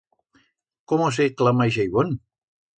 Cómo se clama ixe ibón?